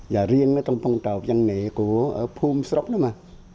và riêng trong phong trào văn nghệ của pum sốc đó mà